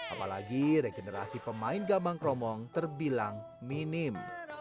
apalagi regenerasi pemain gambang kromong terbilang minim